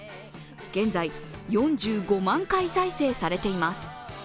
現在、４５万回再生されています。